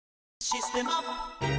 「システマ」